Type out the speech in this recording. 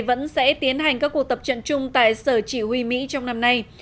vẫn sẽ tiến hành các cuộc tập trận chung tại sở chỉ huy mỹ trong năm nay